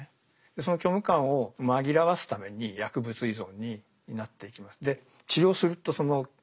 その虚無感を紛らわすために薬物依存になっていきます。